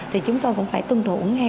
thì chúng ta cũng phải tuân thủ nghe